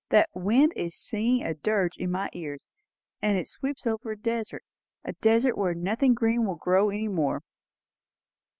That wind is singing a dirge in my ears; and it sweeps over a desert. A desert where nothing green will grow any more!"